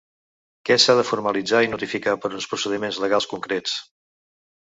Que s’ha de formalitzar i notificar per uns procediments legals concrets.